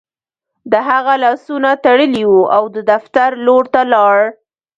د هغه لاسونه تړلي وو او د دفتر لور ته لاړ